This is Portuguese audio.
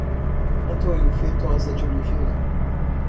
Antônio Feitoza de Oliveira